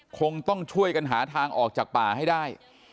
คงต้องช่วยกันหาทางออกจากป่าให้ได้